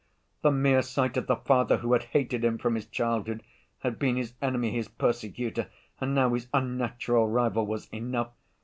The mere sight of the father who had hated him from his childhood, had been his enemy, his persecutor, and now his unnatural rival, was enough!